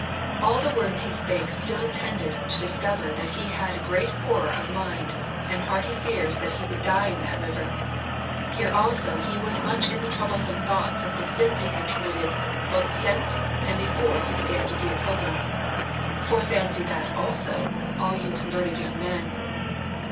All the words he spake still tended to discover that he had great horror of mind and hearty fears that he would die in that river; here also he was much in the troublesome thoughts of the sins he had committed both since and before he began to be a pilgrim. Fore fancy that also, all you converted young men.